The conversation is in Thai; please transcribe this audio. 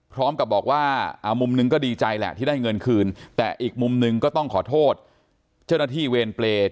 พร้อมกับบอกว่ามุมนึงก็ดีใจแหละที่ได้เงินคืนแต่อีกมุมหนึ่งก็ต้องขอโทษเจ้าหน้าที่เวรเปรย์